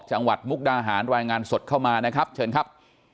มุกดาหารรายงานสดเข้ามานะครับเชิญครับ